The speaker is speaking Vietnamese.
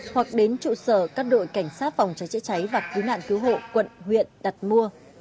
hoặc đến trụ sở các đội cảnh sát phòng cháy chữa cháy và cứu nạn cứu hộ quận huyện đặt mua